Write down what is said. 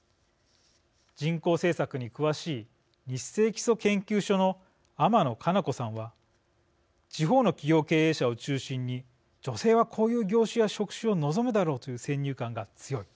人口政策に詳しいニッセイ基礎研究所の天野馨南子さんは「地方の企業経営者を中心に女性は、こういう業種や職種を望むだろうという先入観が強い。